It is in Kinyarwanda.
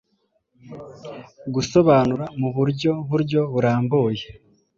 gusobanura mu buryo buryo burambuye